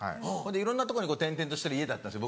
いろんなとこに転々としてる家だったんですよ